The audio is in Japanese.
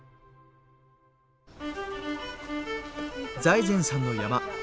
財前さんの山。